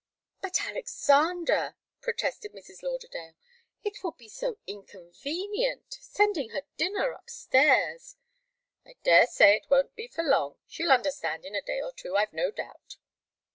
"But, Alexander," protested Mrs. Lauderdale, "it will be so inconvenient sending her dinner upstairs!" "I daresay it won't be for long. She'll understand in a day or two, I've no doubt."